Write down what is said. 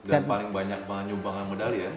dan paling banyak penyumbangan medali ya